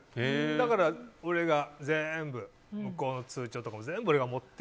だから俺が向こうの通帳とかも。